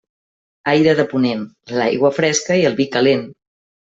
Aire de ponent, l'aigua fresca i el vi calent.